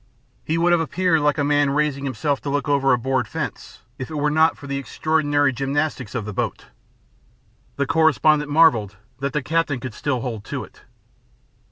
He would have appeared like a man raising himself to look over a board fence, if it were not for the extraordinary gymnastics of the boat. The correspondent marvelled that the captain could still hold to it.